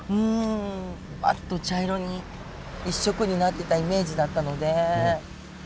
バッと茶色に一色になってたイメージだったので。